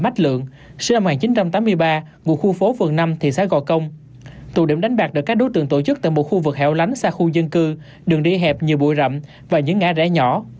tụ điểm đánh bạc được các đối tượng tổ chức tại một khu vực hẻo lánh xa khu dân cư đường đi hẹp nhiều bụi rậm và những ngã rẽ nhỏ